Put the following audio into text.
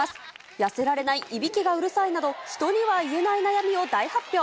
痩せられない、いびきがうるさいなど、人には言えない悩みを大発表。